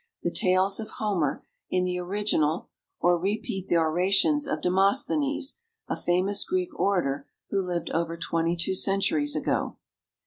che tales of Homer in the original, or repeat the orations of Demosthenes, a famous Greek orator who lived over twenty two centuries ago.